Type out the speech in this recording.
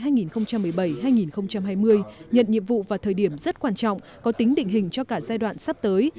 nhiệm kỳ hai nghìn hai mươi nhận nhiệm vụ vào thời điểm rất quan trọng có tính định hình cho cả giai đoạn sắp tới